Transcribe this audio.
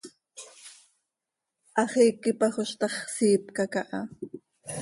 Hax iiqui pajoz ta x, siipca caha.